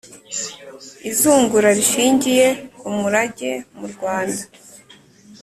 izungura rishingiye ku murage mu rwanda